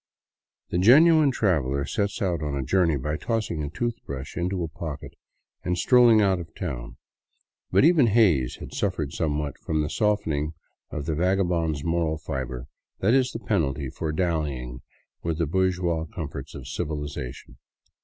The genuine traveler sets out on a journey by tossing a toothbrush into a pocket and strolling out of town. But even Hays had suffered somewhat from that softening of the vagabond's moral fiber that is the penalty for dallying with the bourgeois comforts of civilization.